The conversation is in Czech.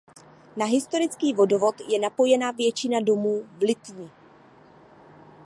Na historický vodovod je napojena většina domů v Litni.